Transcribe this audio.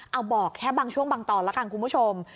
เอาบอกแค่บางช่วงบางตอนแล้วกันคุณผู้ชม